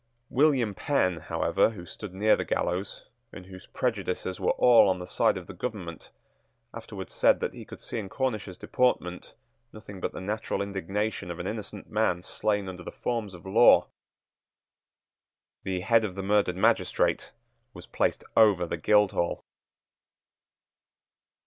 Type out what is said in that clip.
William Penn, however, who stood near the gallows, and whose prejudice were all on the side of the government, afterwards said that he could see in Cornish's deportment nothing but the natural indignation of an innocent man slain under the forms of law. The head of the murdered magistrate was placed over the Guildhall.